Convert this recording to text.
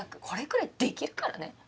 これくらいできるからね。